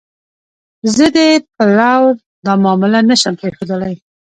زه د پلور دا معامله نه شم پرېښودلی.